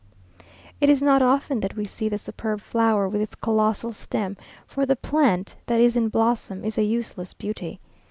It is not often that we see the superb flower with its colossal stem, for the plant that is in blossom is a useless beauty.